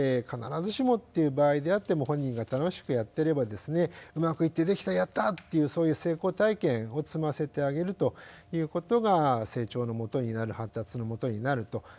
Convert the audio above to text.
必ずしもっていう場合であっても本人が楽しくやってればですねうまくいって「できたやった」っていうそういう成功体験を積ませてあげるということが成長のもとになる発達のもとになると。